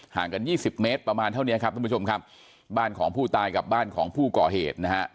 ห่างกันยี่สิบเมตรประมาณเท่านี้ครับทุกผู้ชมครับบ้านของผู้ตายกับบ้านของผู้ก่อเหตุนะฮะ